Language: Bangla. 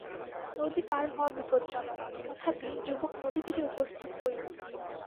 নদী পার হওয়া বিপজ্জনক, তথাপি যুবক নদীতীরে উপস্থিত হইল।